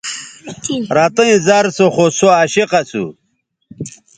رتئیں زَر سو خو سوعشق اسُو